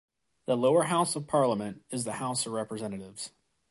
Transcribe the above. The lower house of parliament is the House of Representatives.